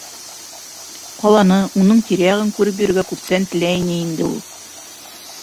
Ҡаланы, уның тирә-яғын күреп йөрөргә күптән теләй ине инде ул.